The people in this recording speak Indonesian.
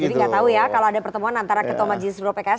jadi gak tahu ya kalau ada pertemuan antara ketua majelis suro pks